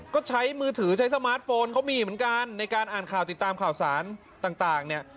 ก็ใช้มือถือใช้สมาร์ทโฟนเขามีเหมือนกันในการอ่านข่าวติดตามข่าวสารต่างเนี่ย